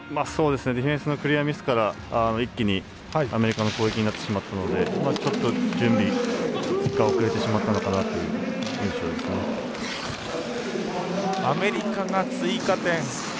ディフェンスのクリアミスから一気にアメリカの攻撃になってしまったのでちょっと準備が遅れてしまったのかなというアメリカが追加点。